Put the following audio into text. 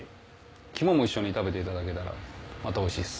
肝も一緒に食べていただけたらまたおいしいです。